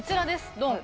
ドン。